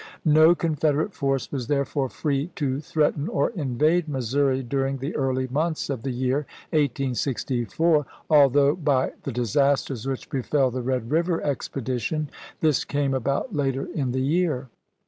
No Confederate force was therefore free to threaten or invade Missouri dui'ing the early months of the year 1864, although by the disasters which befell the Red River Expedition this came about later in the year.